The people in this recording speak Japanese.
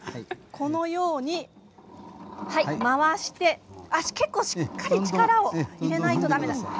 このように回して足、結構しっかり力を入れないとだめなんです。